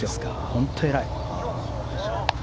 本当に偉い。